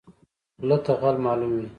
غله ته غل معلوم وي